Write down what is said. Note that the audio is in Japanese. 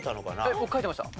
えっ僕書いてました？